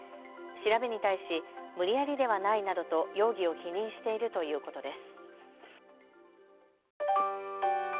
調べに対し無理やりではないなどと容疑を否認しているということです。